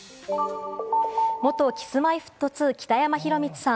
元Ｋｉｓ−Ｍｙ−Ｆｔ２・北山宏光さん